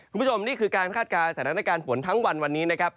คุณผู้ชมนี่คือการคาดการณ์สถานการณ์ฝนทั้งวันวันนี้นะครับ